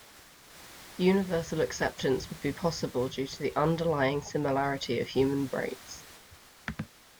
Universal acceptance would be possible due to the underlying similarity of human brains.